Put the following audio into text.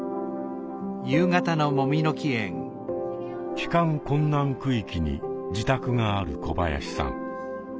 帰還困難区域に自宅がある小林さん。